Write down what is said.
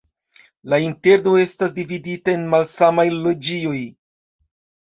La interno estas dividita en malsamaj loĝioj.